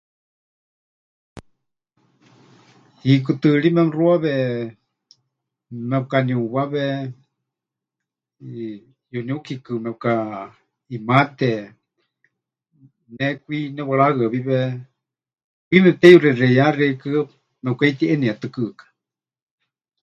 Hiikɨ tɨɨrí memɨxuawe mepɨkaniuwawe, eh, yuniukikɨ mepɨkaʼimate, ne kwi nepɨwarahɨawiwe, kwi mepɨteyuxexeiyá xeikɨ́a, mepɨkaheitiʼenietɨkɨka.